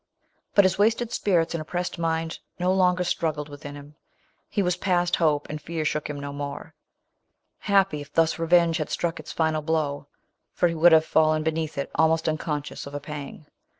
But his wasted spirits and oppressed mind no longer struggled within him. He Aras past hope, and fear shook him no more. " Happy if rrrf Shroud. .371 thus revenge had struck its final blow; for he would have fallen be neath it almost unconscious of a pang.